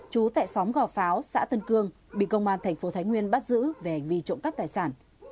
chú tại xóm gò pháo xã tân cương bị công an thành phố thái nguyên bắt giữ về hành vi trộm cắp tài sản